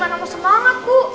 gimana mau semangat bu